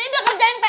iya ngerjain pr